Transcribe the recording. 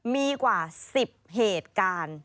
มีกว่า๑๐เหตุการณ์